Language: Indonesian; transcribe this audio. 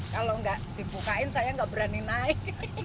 kalau nggak dibukain saya nggak berani naik